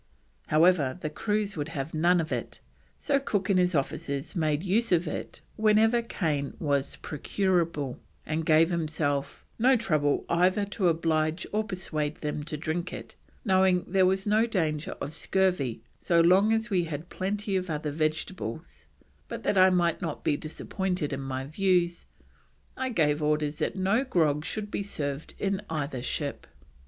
However, the crews would have none of it, so Cook and his officers made use of it whenever cane was procurable, and gave himself: "no trouble either to oblige or persuade them to drink it, knowing there was no danger of scurvy so long as we had plenty of other vegetables, but that I might not be disappointed in my views, I gave orders that no grog should be served in either ship."